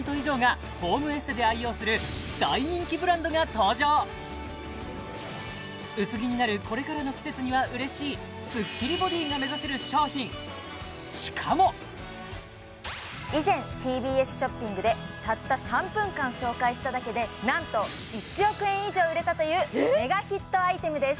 本日は美容の薄着になるこれからの季節にはうれしいスッキリボディが目指せる商品しかも以前ＴＢＳショッピングでたった３分間紹介しただけでなんと１億円以上売れたというメガヒットアイテムです